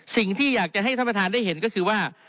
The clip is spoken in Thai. สิ่งที่อยากจะให้ท่านประธานได้เห็นก็คือว่า